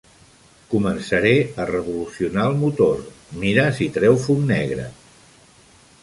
Començaré a revolucionar el motor, mira si treu fum negre.